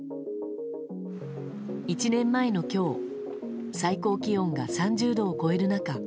１年前の今日最高気温が３０度を超える中